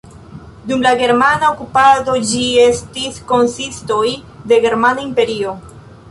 Dum la germana okupado ĝi estis konsisto de Germana imperio.